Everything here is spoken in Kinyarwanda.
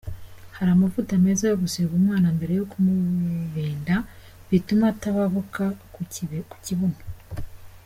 Hari amavuta meza yo gusiga umwana mbere yo kumubinda bituma atababuka ku kibuno.